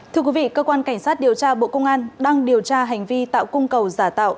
thưa quý vị cơ quan cảnh sát điều tra bộ công an đang điều tra hành vi tạo cung cầu giả tạo